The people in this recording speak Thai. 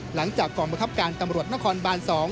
หลังจากกองบังคับการตำรวจนครบาน๒